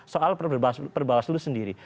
soal perbawaslu sendiri